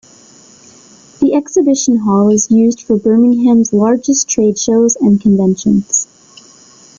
The Exhibition Hall is used for Birmingham's largest trade shows and conventions.